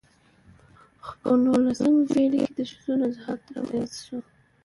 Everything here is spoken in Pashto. خو په نولسمه پېړۍ کې د ښځو نضهت رامنځته شو .